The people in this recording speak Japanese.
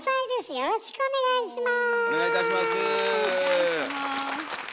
よろしくお願いします。